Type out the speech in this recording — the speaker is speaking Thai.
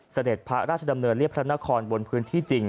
เสด็จพระราชดำเนินเรียบพระนครบนพื้นที่จริง